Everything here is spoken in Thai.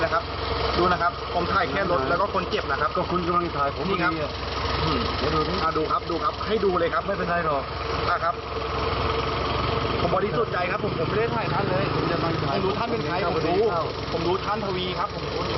คุณเจ้าครับ